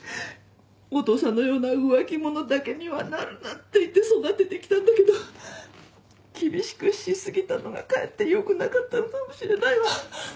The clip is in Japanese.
お父さんのような浮気者だけにはなるなって言って育ててきたんだけど厳しくし過ぎたのがかえってよくなかったのかもしれないわ。